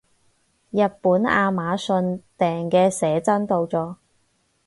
日本亞馬遜訂嘅寫真到咗